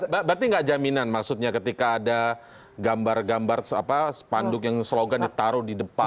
berarti nggak jaminan maksudnya ketika ada gambar gambar spanduk yang slogan ditaruh di depan